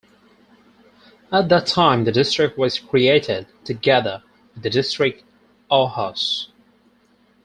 At that time the district was created, together with the district Ahaus.